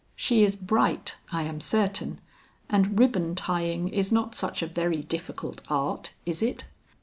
"She is bright, I am certain, and ribbon tying is not such a very difficult art, is it?"